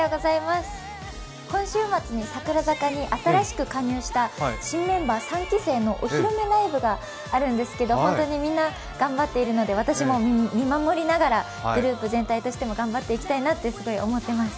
今週末に櫻坂に新しく加入した新メンバー３期生のお披露目ライブがあるんですけれども、本当にみんな頑張っているので、私も見守りながらグループ全体としても頑張っていきたいなってすごい思ってます。